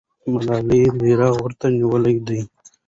ملالۍ بیرغ ورته نیولی دی.